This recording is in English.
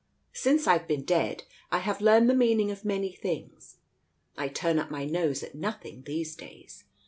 "Since I've been dead, I have learned the meaning of many things. I turn up my nose at nothing these days.